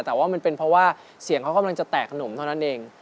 แต่ว่ามันเป็นเพราะว่าเสียงเขากำลังจะแตกขนมเท่านั้นเอง